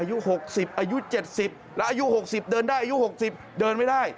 อายุ๖๐อายุ๗๐แล้วอายุ๖๐เดินได้อายุ๖๐เดินไม่ได้